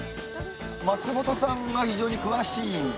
松本さんが非常に詳しい。